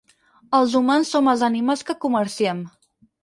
Els humans som els animals que comerciem.